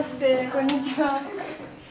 こんにちは。